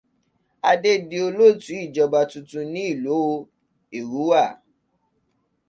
Adé di olótú ìjọba tuntun ní ìlú Èrúwà.